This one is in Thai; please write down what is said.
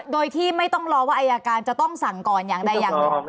โดยที่ไม่ต้องรอว่าอายการจะต้องสั่งก่อนอย่างใดอย่างหนึ่ง